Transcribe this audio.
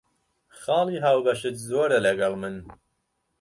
خاڵی هاوبەشت زۆرە لەگەڵ من.